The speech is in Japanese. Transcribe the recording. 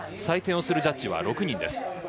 採点をするジャッジは６人。